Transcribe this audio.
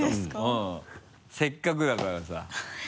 うんせっかくだからさ。